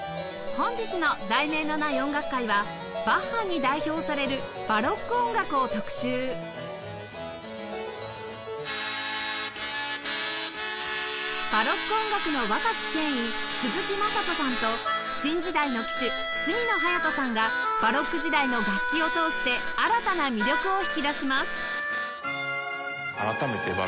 本日の『題名のない音楽会』はバッハに代表されるバロック音楽の若き権威鈴木優人さんと新時代の旗手角野隼斗さんがバロック時代の楽器を通して新たな魅力を引き出します